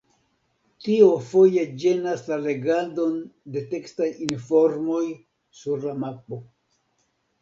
Tio foje ĝenas la legadon de tekstaj informoj sur la mapo.